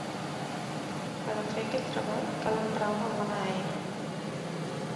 Per a fer aquest treball cal emprar una bona eina.